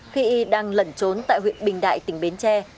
khi y đang lẩn trốn tại huyện bình đại tỉnh bến tre